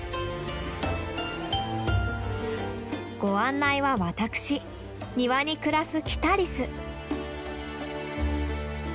ご案内は私庭に暮らすキタリス。